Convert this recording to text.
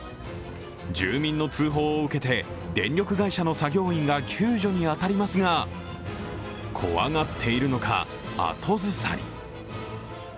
住民の通報を受けて電力会社の作業員が救助に当たりますが怖がっているのか、後ずさり。